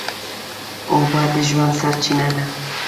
اوبه د ژوند سرچینه ده.